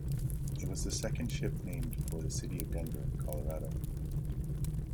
It was the second ship named for the city of Denver, Colorado.